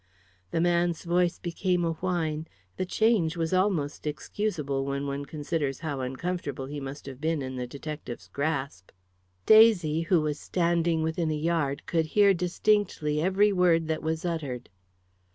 The man's voice became a whine; the change was almost excusable when one considers how uncomfortable he must have been in the detective's grasp. Daisy, who was standing within a yard, could hear distinctly every word that was uttered.